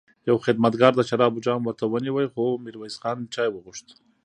يوه خدمتګار د شرابو جام ورته ونيو، خو ميرويس خان چای وغوښت.